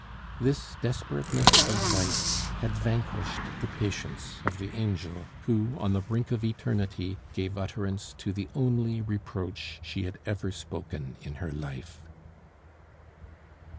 This desperateness of vice had vanquished the patience of the angel, who, on the brink of eternity, gave utterance to the only reproach she had ever spoken in her life.